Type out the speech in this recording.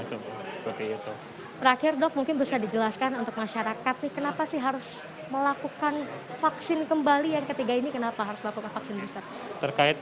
terakhir dok mungkin bisa dijelaskan untuk masyarakat nih kenapa sih harus melakukan vaksin kembali yang ketiga ini kenapa harus melakukan vaksin booster